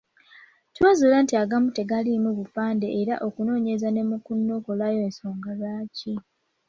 Twazuula nti agamu tegaalimu bupande era okunoonyereza ne kunokolayo ensonga lwaki.